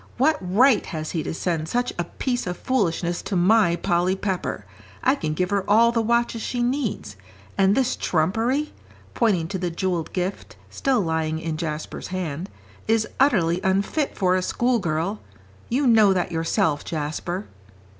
"What right has he to send such a piece of foolishness to my Polly Pepper? I can give her all the watches she needs. And this trumpery," pointing to the jewelled gift still lying in Jasper's hand, "is utterly unfit for a schoolgirl. You know that yourself, Jasper."